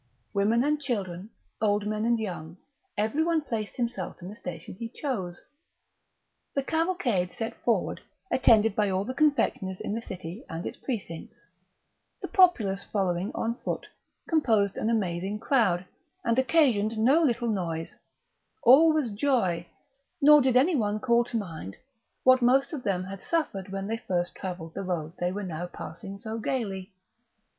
Women and children, old men and young, every one placed himself in the station he chose. The cavalcade set forward, attended by all the confectioners in the city and its precincts; the populace following on foot composed an amazing crowd, and occasioned no little noise; all was joy, nor did any one call to mind what most of them had suffered when they first travelled the road they were now passing so gaily.